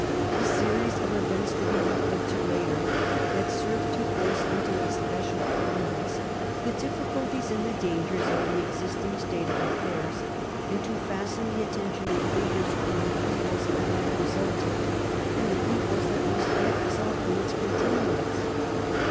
A series of events, to be referred to later, had served to force into a special prominence the difficulties and the dangers of the existing state of affairs and to fasten the attention of thinkers upon the evils that had resulted, and the evils that must yet result from its continuance.